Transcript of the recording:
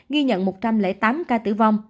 ghi nhận một trăm linh tám ca tử vong